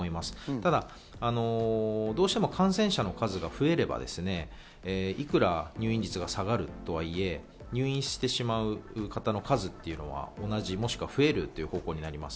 ただ、どうしても感染者の数が増えれば、いくら入院率が下がるとはいえ、入院してしまう方の数というのは同じ、もしくは増える方向になります。